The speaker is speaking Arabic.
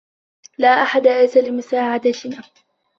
لا أحد أتى لمساعدتنا.